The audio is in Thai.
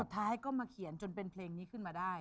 ท้ายก็มาเขียนจนเป็นเพลงนี้ขึ้นมาได้